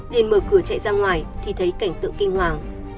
nên mở cửa chạy ra ngoài thì thấy cảnh tượng kinh hoàng